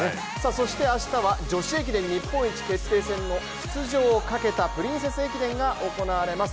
そして明日は女子駅伝日本一決定戦の出場を駆けたプリンセス駅伝が行われます。